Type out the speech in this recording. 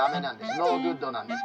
ノーグッドなんです。